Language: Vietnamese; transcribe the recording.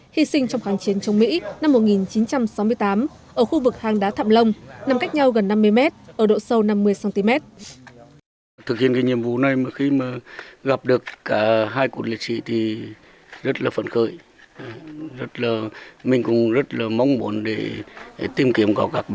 hy sinh trong kháng chiến chống mỹ năm một nghìn chín trăm sáu mươi tám ở khu vực hang đá thạm long nằm cách nhau gần năm mươi mét ở độ sâu năm mươi cm